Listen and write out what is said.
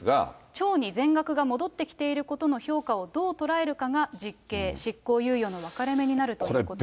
町に全額が戻ってきていることの評価をどう捉えるかが実刑、執行猶予の分かれ目になるということです。